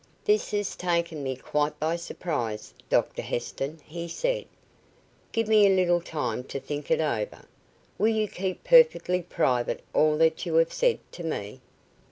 "This has taken me quite by surprise, Doctor Heston," he said. "Give me a little time to think it over. Will you keep perfectly private all that you have said to me?"